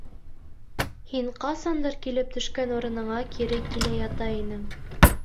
Һин ҡасандыр килеп төшкән урыныңа кире килә ята инең?